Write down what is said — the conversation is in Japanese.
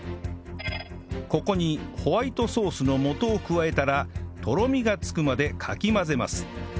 ここにホワイトソースの素を加えたらとろみがつくまでかき混ぜます